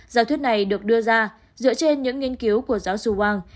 giả thuyết này được đưa ra dựa trên những nghiên cứu của giáo sư wang